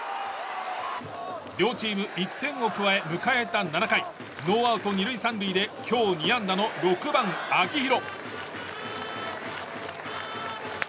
両チーム１点を加え迎えた７回ノーアウト２塁３塁で今日２安打の６番、秋広。